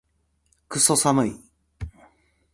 クソ寒い